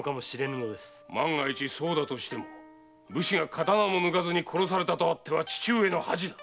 万が一そうだとしても武士が刀も抜かずに殺されたとあっては父上の恥。